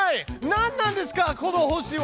なんなんですかこの星は！